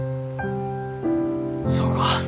そうか。